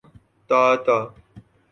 تائتا